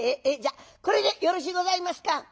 じゃこれでよろしゅうございますか？」。